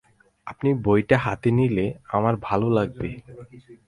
আপনি বইটা হাতে নিলে আমার ভালো লাগবে।